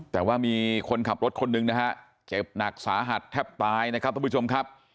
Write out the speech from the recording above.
แต่ว่ามีคนขับรถคนหนึ่งนะฮะเจ็บหนักสาหัสแทบตายนะครับทุกผู้ชมครับ